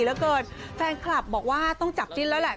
เหลือเกินแฟนคลับบอกว่าต้องจับจิ้นแล้วแหละ